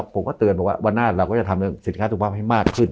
ผมก็เตือนบอกว่าวันหน้าเราก็จะทำเรื่องสินค้าสุขภาพให้มากขึ้น